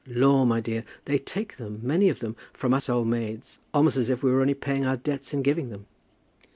Law, my dear; they take them, many of them, from us old maids, almost as if we were only paying our debts in giving them."